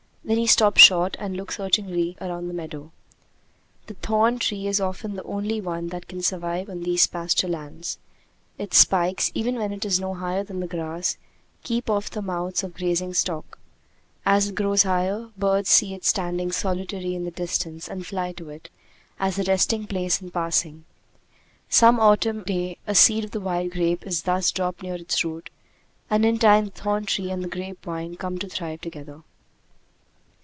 Then he stopped short and looked searchingly around the meadow. The thorn tree is often the only one that can survive on these pasture lands. Its spikes, even when it is no higher than the grass, keep off the mouths of grazing stock. As it grows higher, birds see it standing solitary in the distance and fly to it, as a resting place in passing. Some autumn day a seed of the wild grape is thus dropped near its root; and in time the thorn tree and the grape vine come to thrive together.